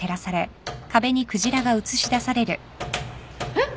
えっ！？